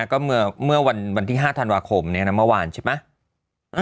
ก็เมื่อวันที่๕ธันวาคมเมื่อวานใช่ไหม